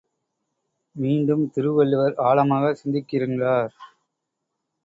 மீண்டும் திருவள்ளுவர் ஆழமாகச் சிந்திக்கின்றார்!